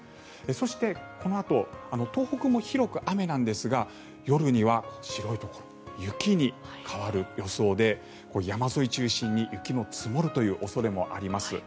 そして、このあと東北も広く雨なんですが夜には白いところ雪に変わる予想で山沿い中心に雪が積もるという恐れもあります。